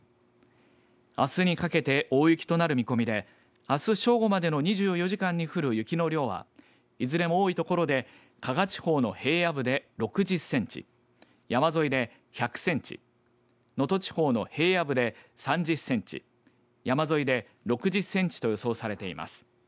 あすにかけて大雪となる見込みであす正午までの２４時間に降る雪の量はいずれも多い所で加賀地方の平野部で６０センチ山沿いで１００センチ能登地方の平野部で３０センチ山沿いで６０センチと予想されています。